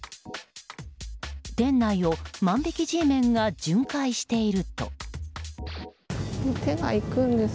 店内を万引きＧメンが巡回していると。